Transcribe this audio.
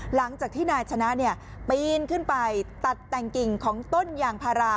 หลังจากที่นายชนะปีนขึ้นไปตัดแต่งกิ่งของต้นยางพารา